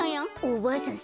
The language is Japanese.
おばあさん